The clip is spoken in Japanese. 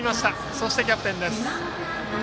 そして、キャプテンです。